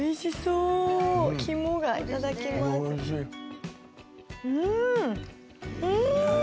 うん！